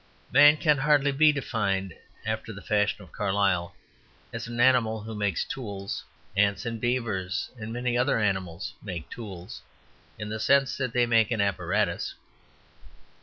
Man can hardly be defined, after the fashion of Carlyle, as an animal who makes tools; ants and beavers and many other animals make tools, in the sense that they make an apparatus.